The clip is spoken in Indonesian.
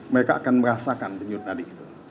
mereka akan merasakan denyut nadi itu